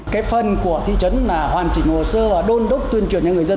cái phần của thị trấn là hoàn chỉnh hồ sơ và đôn đốc tuyên truyền cho người dân